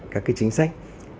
các cái chính sách